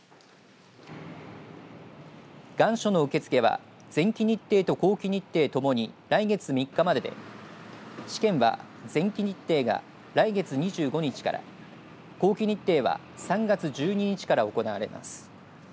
願書の受け付けは前期日程と後期日程ともに来月３日までで試験は前期日程が来月２５日から後期日程は３月１２日から行われます。